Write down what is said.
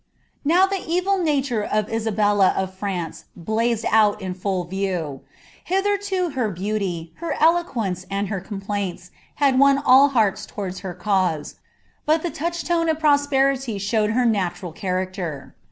Now the evil nature of Isabella of France blazed out in full view. Hitherto her beauty, her eloquence, and her complaints, had won all hearts towards her cause ; but the touchstone of prosperity showed her nataral character.